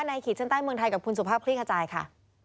ในขีดชั้นใต้เมืองไทยกับคุณสุภาพพิธีกระจายค่ะ